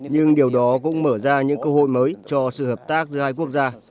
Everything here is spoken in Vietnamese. nhưng điều đó cũng mở ra những cơ hội mới cho sự hợp tác giữa hai quốc gia